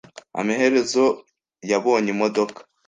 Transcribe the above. Amaherezo, yabonye imodoka.